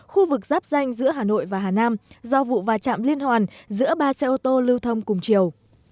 khu vực giáp danh giữa hà nội và hà nam do vụ va chạm liên hoàn giữa ba xe ô tô lưu thông cùng chiều